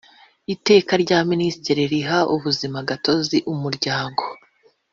Iteka rya minisitiri riha ubuzimagatozi umuryango